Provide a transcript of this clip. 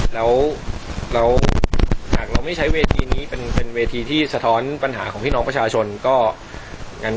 แล้วเราหากเราไม่ใช้เวทีนี้เป็นเวทีที่สะท้อนปัญหาของพี่น้องประชาชนก็งั้น